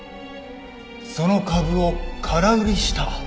その株を空売りした！？